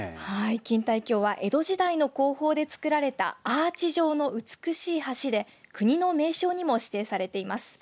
錦帯橋は江戸時代の工法で造られたアーチ状の美しい橋で国の名勝にも指定されています。